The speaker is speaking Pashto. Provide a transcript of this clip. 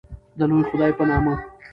د لوی خدای په نامه